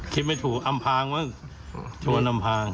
คิดไม่ถูกอำภางมั้ง